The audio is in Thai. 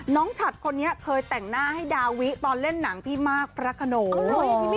ฉัดคนนี้เคยแต่งหน้าให้ดาวิตอนเล่นหนังพี่มากพระขนง